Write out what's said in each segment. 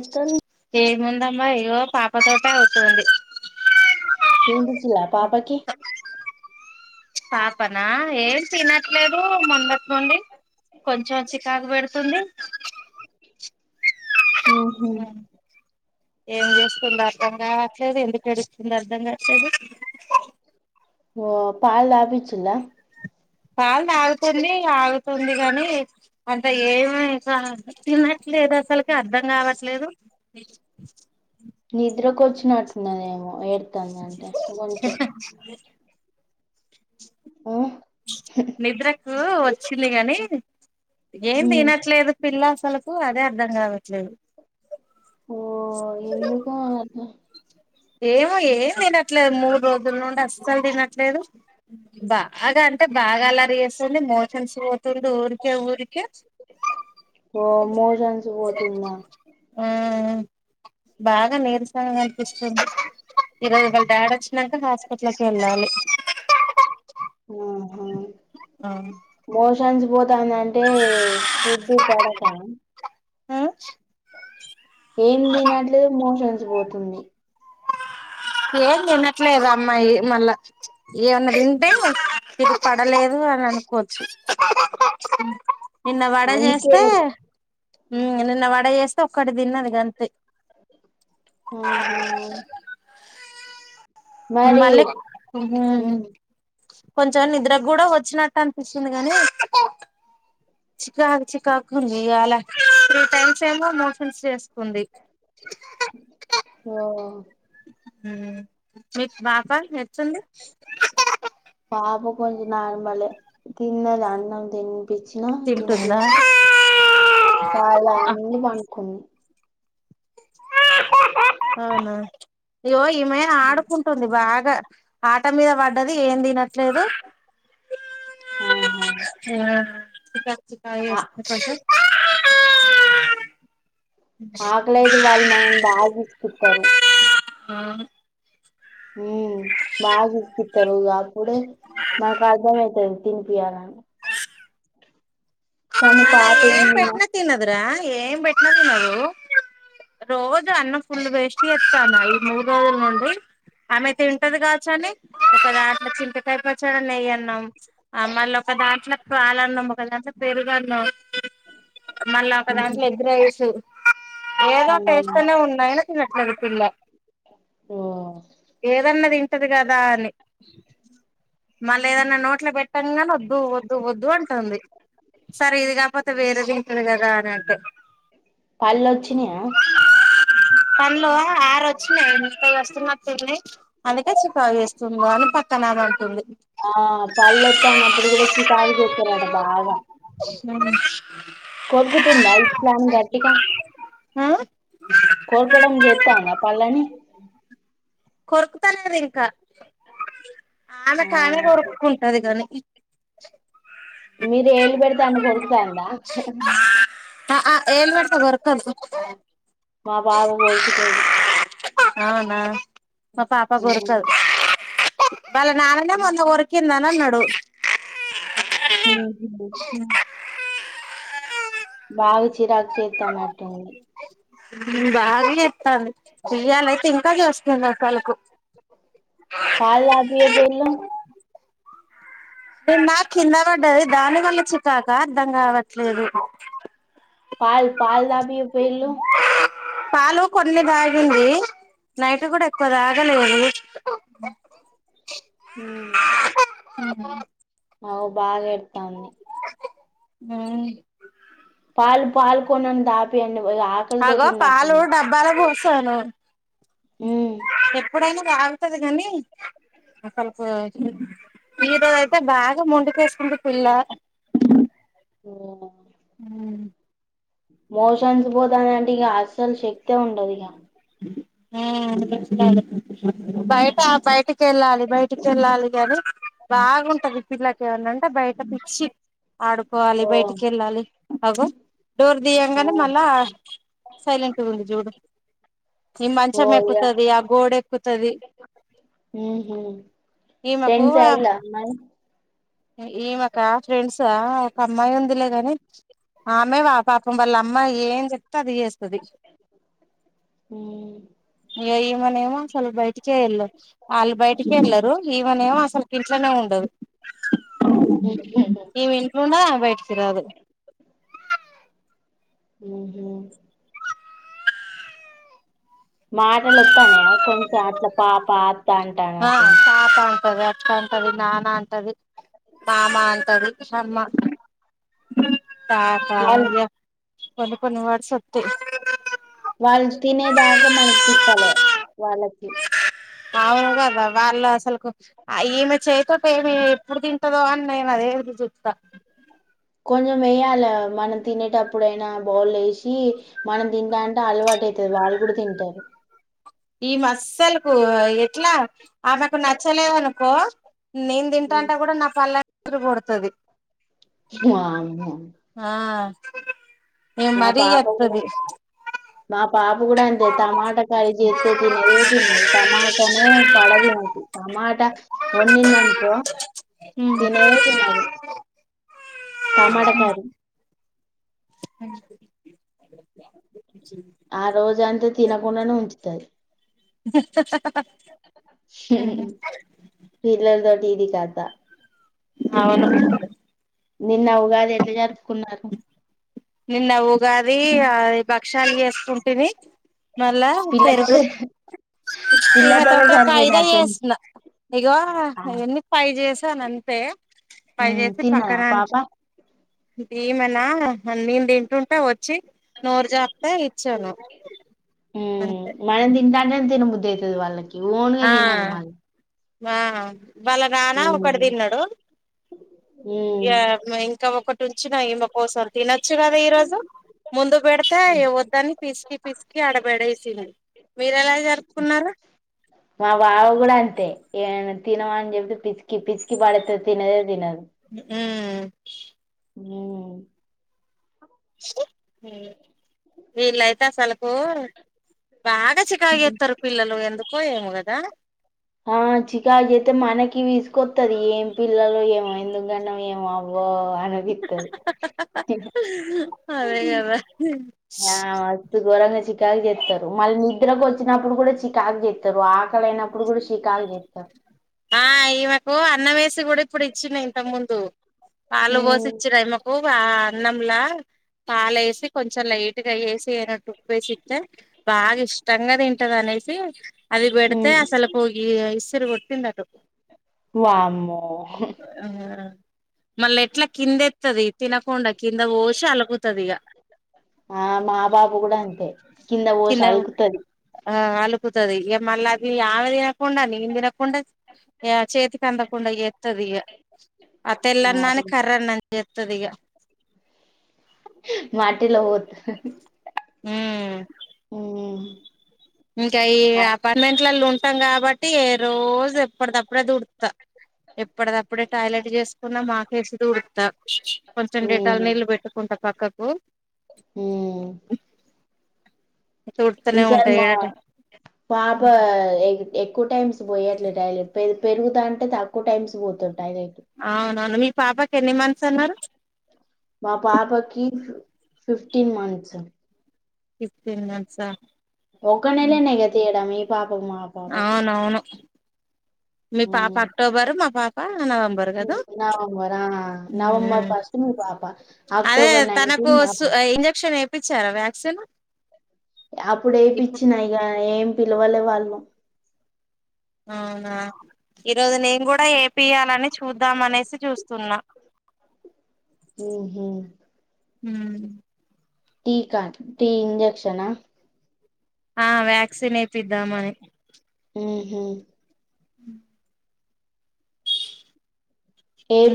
ఎక్కన్ ఏముందమ్మా ఇగో పాపతోటే అవుతోంది. తినిపిచ్చిన్లా పాపకి పాపనా ఏం తినట్లేదు మొన్నట్నుండి. కొంచెం చికాకు బెడుతుంది. హ్మ్ హు ఏం జేస్తుందో అర్ధం కావట్లేదు ఎందుకు ఏడుస్తుందో అర్ధం కావట్లేదు హ్-హ్ ఓ పాల్ దాపిచ్చిందా పాల్ దాగుతుంది ఆడుతుంది గాని అంత ఏమీ సా తినట్ లేదు అసలకి అర్ధం గావట్లేదు నిద్రకు ఒచ్చినట్టున్నదేమో ఏడ్తాంది అంటే గొంచెం హ్మ్ నిద్రకు వొ చిల్ గానీ ఏం ఉమ్ దినట్లేదు పిల్ల అసలకు అదే అర్ధం గావట్లేదు. ఓ ఎందుకో అట్లా ఏమో ఏం దినట్లేదు మూడు రోజుల నుండి అస్సలు దినట్లేదు బాగా బాగా అల్లరి చేస్తుంది మోషన్స్ పోతుంది ఊరికే ఊరికే ఓ మోషన్స్ గు పోతుందా ఆ బాగా నీరసంగా ఈరోజు వాళ్ళ డాడ్ వచ్చినాంక హాస్పిట్లకి వెళ్ళాలి హ్మ్ హు ఆ మొ టన్స్ పోతాందంటే ఫుడ్డు పడకా అ ఏం దినట్లేదు మోషన్స్ పోతుంది. ఏం దినట్లేదు అమ్మాయి మళ్ళా ఏవన్నా దింటే ఇది పడలేదు అని అనుకో చు నిన్న వడ అందుకే జేస్తే హ్మ్ నిన్న వడ జేస్తే ఒక్కటి దిన్నది గంతే ఆహా మరి మల్లే హ్మ్మ్ ఉమ్ కొంచెం నిద్రగ్గూడా వచ్చినట్టు అనిపిస్తుంది గాని చికాకు చికాగ్గుంది ఇయాల త్రీ టైమ్స్ ఏమో మోషన్స్ చేస్ కుంది ఓ హ్మ్ మీకు పాప ఎట్లుంది. పాపు కొంజ్ నార్మలే తిన్నది అన్నం తిన్ పిచ్చినా తింటుందా తినిపిచ్చి పాలు దాగింది పన్నుకు అవునా ఇగో ఈమే ఆడుకుంటుంది బా గ ఆట మీద వడ్డది ఏం తినట్లేదు. హ్మ్ హు చీకాకు చీకా చేస్తు ఇపొద్దు ఆకలేదు వాళ్ళు మనం బాగా విసికిత్తారు ఆ హ్మ్ బాగా విసికిత్తారు అప్పుడే మాకు అర్ధం అయితది తినిపియ్యాలని కానీ మళ్లా పాప ఏం ఏందిగా పెట్నా తినదు రా ఏం పెట్నా తినదూ రోజ అన్నం ఫుల్ వేస్ట్ జేత్తాన ఈ మూడు రోజుల నుండి ఆమె తింటది గాచ్చు అని ఒకదాంట్లో చింతకాయ పచ్చడి నెయ్యన్నం అ మల్లా ఒక దాంట్లో ప్రాలన్నం ఒక దా పెరుగన్నం మళ్ళా ఒక దాంట్లో ఎగ్ రైసు ఏదో టేస్ట్ ఉమ్ నే ఉన్నాయ్ అయిన తినట్లేదు ఈ పిల్ల ఏదన్న తింటరు కదా అని మళ్ళ ఏదన్న నోట్ల పెట్టంగనే వద్దు వద్దు వద్దు అంటుంది సరే ఇది కాకపోతే వేరేదుంటది కదా అన్నట్టు పళ్ళొచ్చినయా పళ్ళ ఆరు ఓచ్చినయి మిగతవి వస్తున్నట్టున్నాయి అందుకే చి ఫోన్ వస్తుందో అని పక్కన ఆమె అంటుంది ఆ పళ్ళొత్తాయి అన్నప్పుడు కూడా చికాకు చేస్తారట బాగా హ్మ్ కొరుకుతుందా ఇట్ల అని గట్టిగ ఆ కోర్కడం జెత్తంద పన్లని కొరుకుతలేదు ఇంక ఆ ఆమెకామె కొరుకుంటది గని ఇ మీరు ఏలు పెడితే ఆమె కొరుకుతాంద ఆహా ఏలు పెడితే కొరకదు మా పాప కొరుకుతది అవునా మా పాప గోరకదు వాళ్ళ నాన్ననే మొన్న కొరిందని అన్నడు హ్మ్ [inaudible] బాగ చిరాక్ చెత్తనట్టుంది హ్మ్ బాగ చేత్తంది ఇయ్యాలయితే ఇంక చేస్తుంది అసలకు పాల్ తాగిపోయకపోయినవ్ నిన్న కింద పడ్డది దాని వల్ల చికాక అర్ధం కావట్లేదు పాల్ పాల్ తాగిపియికపోయినవ్ పాలు కొన్ని దాగిందీ నైట్ కూడ ఎక్కువ దాగలేదూ ఉహ్మ అవో బాగ్ ఎడతాంది హ్మ్ పాలు పాల్ కొంచెం తాపియండి ఇక ఆకలితోటి అగో పాలు ఉన్నట్టుంది డబ్బాల పోసాను ఉమ్ ఎప్ ఎప్పుడైన దాగుతది గనీ అసల్కు ఈరోజు అయితే బాగ మొండికేస్తుంది పిల్లా అ [inaudible] హ్మ్ హ్మ్ మోషన్స్ పోతాంది అంటే ఇగ అస్సలు శక్తే ఉండదు ఇగ హ్మ్ బయట బయటికెళ్ళాలి బయటికెళ్ళాలి గని బాగుంటది పిల్లకెమన్నాంటే బయట పిచ్చి ఆడుకోవాలి ఓ బయటికెళ్ళాలి అగో డోర్ ఓ దియంగనే మళ్ళా సైలెంట్ ఉంది జూడు ఈ ఓ మంచం ఇగ ఎక్కుతది ఆ గోడెక్కుతది ఉహ్మ ఫ్రెండ్స్ అయిర మరి ఇమేక ఫ్రెండ్సా ఒక అమ్మాయి ఉందిలే గని ఆమే ఆ పాపం వాళ్ళమ్మ ఏం చెప్తే అది జెస్ హా ఈమనేమో అసలు బయటకేల్లదు వాళ్ళు బయటికేళ్లరు ఈమనేమో అసలుకి ఇంట్లోనే ఉండదు ఈమె ఇంట్లో ఉండద్ ఆమె బయటకిరాదు ఉహ్మ మాటలు ఒత్తనయా కొంచెం అట్ల పాప అత్త అంటానటుంది అక్కంటది నాన్నంటది మామ అంటది అమ్మ వాళ్ళు తాతాయ్య కొన్ని కొన్ని వర్డ్సొత్తయ్. వాల్ తినేదాక మనకి తిప్పలే వాళ్ళకి ఔన్ గద వాళ్ళు అసల్కు అ ఈమె చేయ్తోపేమి ఎప్పుడు తింటదో అన్ నేనదె ఎదురు జుత్తా. కొంజుమెయ్యాల మనం తినేటప్పుడైన బౌల్లేషి మనం దింటాంటె అల్వాటైతది. వాళ్ళ్ గూడ్ దింటారు. ఈమస్సల్కూ ఎట్ల ఆమెకు నచ్చలేవనుకొ నేన్ దింటాంటె గుడ నా కల్ల [unintelligible] గొడ్తది. వామ్మొ. ఇగ మా మరీ పాప గుడ చెత్తది మా పాప్ గుడంతె టమాట కాయ్ జేత్తె తినేదే తినదు టమాటనే పడదు మాకి టమాట్ ట ఒన్నిన్నన్కొ తినదే తినదు. టమాటకరి మ్ ఆ రోజంతె తినకుండనే ఉంచుతది. జిప్తఎహ్ పిల్లల్తోటి ఇది కత. ఔను. నిన్న ఉగాది ఎట్ల జరుప్కున్నారు. నిన్న ఉగాదీ ఆది భక్షాల్ దేస్కుంటిమి. మళ్ళా పెరుగు పిల్లతోటే ఈమె పిల్లతోటే తోటి ఒక ఐదె సరిపోయినట్టుంది జేస్న. ఇగా ఎన్ని ఫైవ్ జేసానంతె. ఫైవ్ ఉమ్ జేసి తిన్నదా పక్కనాంచ్ పాప బీమనా హన్ నేన్ దింటుంటె వొ ఛి నోర్ జాప్తె ఇచ్చను అంతె. [unintelligible] దినబుద్దైతది వాళ్ళకి ఓన్గ దినరు మళ్ మా వాళ్ళ నాన ఒకడి దిన్నడు ఉమ్ ఇగ మ్ ఇంక ఒక టుంచిన ఈమ కోసం తినచ్చు కద ఈరోజు. ముందు బెడితే ఇగ వొద్దని పిస్కి పిస్కి ఆడబడేసింది. మీరెలాగ్ జరుప్కున్నారు. మా వాడు గుడంతె ఏమైన తిను అన్ జెప్పి పిస్కి పిస్కి పడేత్తద్ తినదే తినదు. ఊమ్. ఊ. మ్ వీళ్ళైతె అసలుకూ బాగా చికాగ్ జేత్తరు పిల్లలు ఎందుకో ఏమోగద. ఆ చికాగ్ జేత్తె మనకి విసుగొత్తది ఏం పిల్లలొ ఏమొ ఎందుగన్నామొ ఏమొ ఆవ్ బో అనిపిత్తది. అదే కదా యా మస్తు ఘోరంగ చికాగ్ జేత్తరు మళ్ నిద్రకొచ్చినప్పుడు గుడ చికాగ్ జేత్తరు ఆ [unintelligible] నప్పుడ్ గూడ్ షికాగ్ జేత్తరు. ఆ ఈమెకు అన్నం యేసి గూడిప్పుడిచ్చిన ఇంతక్ ముందు పాలు ఉమ్ బోసిచ్చిన ఈమకు ఆ అన్నంలా పాలేసి కొంచెం లైట్ గ ఏసి ఎయ్నట్టు ఉప్పేసిత్తె బాగిష్టంగ దింటదినేసి అదిబెడ్తే హ్మ్ అసలుకు ఈ ఇస్సిర్ కొట్టిందటు. వామ్మో. మళ్ళెట్ల కిందేత్తది తినకోండ కింద బోషి అలుకుతదిగ. ఆ మా బాబు గుడ అంతె కింద బోష అల్కుతది. ఆ అలుకుతది ఇగ మళ్లది ఆమె దినకుండ నేన్ దినకుండ ఇగ చేతికందకుండ జేత్తదిగ అ అట్ల తెల్లన్నాన్ని కర్రన్నం జేత్తదిగ. మాటిళ్ల ఓతద [unintelligible] ఉమ్. ఇంకా ఈ అపార్మెంట్ ట్లాలున్ తం గాబట్టి ఏ రోజెప్పడ్దప్పుడం దుడుత్త. ఎప్పడిదప్పుడే టాయిలెట్ చేసుకున్నా మాకేసి దూడుత్త కొంచెం డేటాలు హ్మ్ నీళ్ళు పెట్టుకుంటా పక్కక్ హ్మ్ ఈ తుడుతూనే సార్ ఉంటా మా ఏడట పాపా ఎయి ఎక్కువ టైమ్స్ పోయట్లే టాయిలెట్ పెర్ పెరుగుతాంటే తక్కువ టైమ్స్ పోతడ్ అవున మీ పాపకి ఎన్ని మంత్స్ అన్నారు మా పాపకి ఫిఫ్టీన్ మంత్స్ ఫిఫ్టీన్ మంత్స్ అ ఒక్క నెలనే కదా చేయడం మీ పాపకు మా పాపకు ఆవునవును మీ పాప హ్మ్ అక్టోబరు మా పాప నవంబరు కదు నవంబర్ ఆ నవంబర్ ఫస్ట్ మీ పాప అదే అక్టోబర్ తనకో నైన్టీన్ నా స్ పా ఆహ్ ఇంజెక్షన్ ఎపిచ్చారా వ్యాక్సిన్ అప్పుడు ఇప్పుడు ఏపిచ్చిన యిగా ఏం పిలవలే వాళ్ళు అవునా ఈరోజు నేను గుడా ఏపియ్యాలని చుద్దాం అనేసి చూస్తున్నా ఉహు ఉమ్ టీకా టీ ఇంజెక్షన్ అ ఆ వ్యాక్సిన్ ఏపిద్దామని ఉ మ్ మ్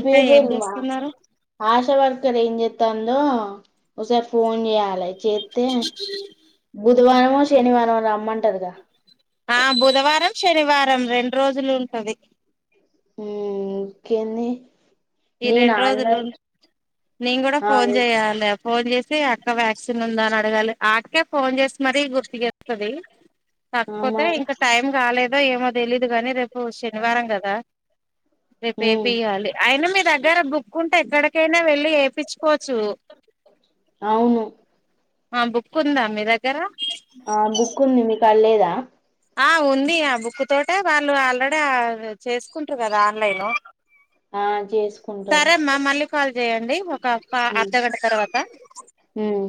ఇంకా ఏం మా చేస్తున్నారు ఆష్ షా వర్కర్ ఏం చెత్తందో ఒసారి ఫోన్ చేయాలే చేత్తే బుధవారంమో శనివారమో రమ్మన్ ఆ బుధవారం శనివారం రెండు రోజులు ఉంటది ఉమ్ ఇంకేంది ఈ నేను రెండ్రోజులు ఆన్లైన్ నీన్ కూడా ఆ ఫోన్ చెయాలే ఫోన్ చేసి అక్క వ్యాక్సిన్ ఉందా అని అడగాలి ఆ అక్కే ఫోన్ చేసి మరీ గుర్తుచేప్తది ఆ కాకపోతే మరి ఇంకా టైం కాలేదో ఏమో తెలీదు గనీ రేప్ పు శనివారం కదా ఉమ్ రేపేపీయాలి అయిన మీ దగ్గర బు కుంటే ఎక్కడికైనా వెళ్ళి ఎపిచుకోవచ్చు అవును ఆ బుక్కుంద మీద ఆ బుక్ ఉంది మీకాడళ్లేదా ఆ ఉంది ఆ బుక్ తోటె వాళ్ళు ఆల్రెడీ ఆహ్ చేసుకుంటారు కదా ఆన్లైన్ ఆ చేసుకుంటారు సరే అమ్మా మళ్ళీ కాల్ చేయండి ఒక క ఉమ్ అర్ధగంట తర్వాత ఉమ్